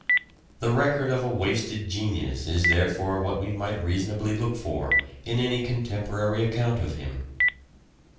The record of a wasted genius is, therefore, what we might reasonably look for in any contemporary account of him.